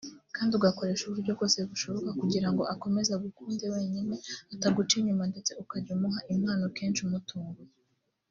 kandi ugakoresha uburyo bwose bushoboka kugira ngo akomeze agukunde wenyine ataguca inyuma ndetse ukajya umuha impano kenshi umutunguye